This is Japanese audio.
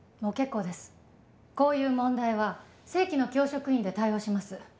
こういう問題は正規の教職員で対応します。